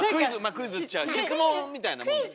クイズっちゃ質問みたいなもんですけど。